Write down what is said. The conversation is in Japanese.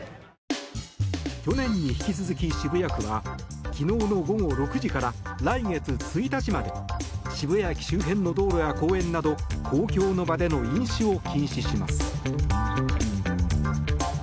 去年に引き続き渋谷区は昨日の午後６時から来月１日まで渋谷駅周辺の道路や公園など公共の場での飲酒を禁止します。